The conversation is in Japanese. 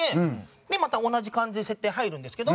でまた同じ感じで設定入るんですけど。